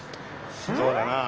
そうだなあ。